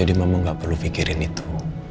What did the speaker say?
jadi mama nggak perlu pikirin itu